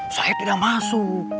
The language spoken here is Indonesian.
saya tidak masuk